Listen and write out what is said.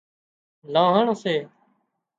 لانهڻ سي